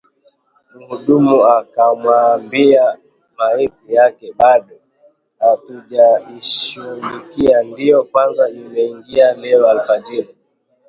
” Muhudumu akawaambia, “ maiti yake bado hatujaishughulikia, ndio kwanza imeingia leo alfajiri